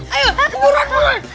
ayo turun turun